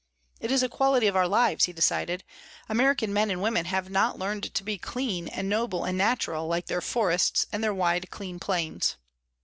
"It is a quality of our lives," he decided. "American men and women have not learned to be clean and noble and natural, like their forests and their wide, clean plains."